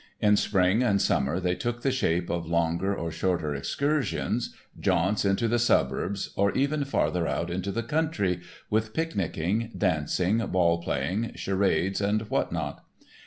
In spring and summer they took the shape of longer or shorter excursions, jaunts into the suburbs or even farther out into the country, with picnicking, dancing, ball playing, charades and what not.